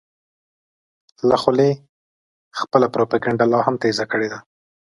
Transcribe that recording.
له خولې خپله پروپیګنډه لا هم تېزه کړې ده.